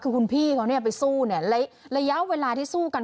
คือคุณพี่เขาไปสู้เนี่ยระยะเวลาที่สู้กัน